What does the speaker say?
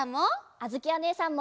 あづきおねえさんも！